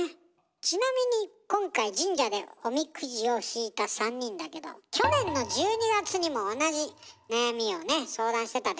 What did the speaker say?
ちなみに今回神社でおみくじを引いた３人だけど去年の１２月にも同じ悩みをね相談してたでしょ？